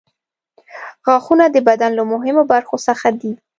غاښونه د بدن له مهمو برخو څخه دي.